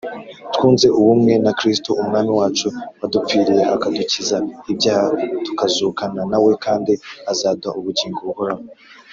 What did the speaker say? twunze ubumwe na Kristo umwami wacu wadupfiriye akadukiza ibyaha tukazukana nawe kandi azaduha ubugingo buhoraho.